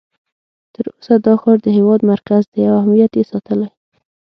تر اوسه دا ښار د هېواد مرکز دی او اهمیت یې ساتلی.